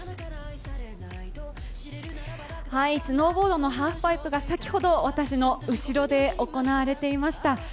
スノーボードのハーフパイプが先ほど私の後ろで行われていました。